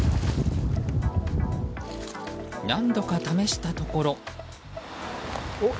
何度か試したところ。